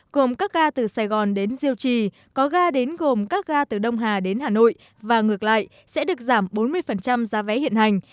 gồm các ga từ sài gòn đến diêu trì có ga đến gồm các ga từ đông hà đến hà nội và ngược lại sẽ được giảm bốn mươi giá vé hiện hành